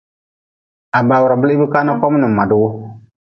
Ha bawra blihbka na kom nin madi wu.